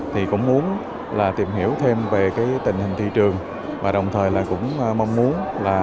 thì cũng muốn tìm hiểu thêm về tình hình thị trường và đồng thời cũng mong muốn